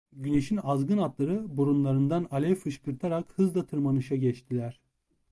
Güneşin azgın atları burunlarından alev fışkırtarak hızla tırmanışa geçtiler.